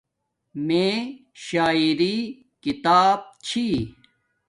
میں شاعری کتاب چھی